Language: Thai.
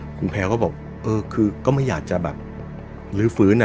คุณแพลวก็บอกเออคือก็ไม่อยากจะแบบลื้อฟื้น